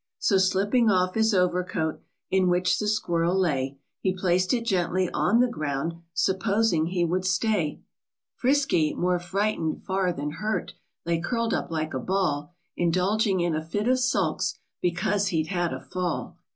So slipping off his over coat, In which the squirrel lay, He placed it gently on the ground, Supposing he would stay. v^r. 'g Us//'/ 126 t RISKY, THE SQUIRREL. Frisky, more frighten'd far than hurt Lay curl'd up like a ball, Indulging in a fit of sulks, Because he'd had a fall.